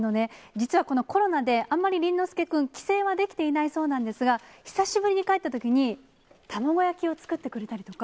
実はこのコロナで、あんまり倫之亮君、帰省はできていないそうなんですが、久しぶりに帰ったときに、卵焼きを作ってくれたりとか。